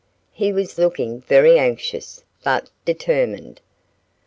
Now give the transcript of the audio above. He was looking very anxious, but determined.